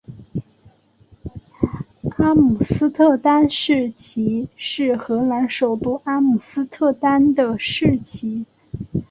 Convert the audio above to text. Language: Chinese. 阿姆斯特丹市旗是荷兰首都阿姆斯特丹的市旗。